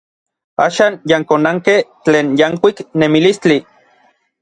Axan yankonankej tlen yankuik nemilistli.